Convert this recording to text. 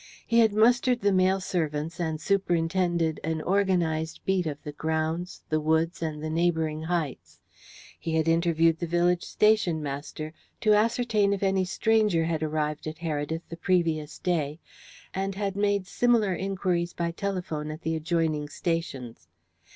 He had mustered the male servants, and superintended an organized beat of the grounds, the woods, and the neighbouring heights. He had interviewed the village station master to ascertain if any stranger had arrived at Heredith the previous day, and had made similar inquiries by telephone at the adjoining stations.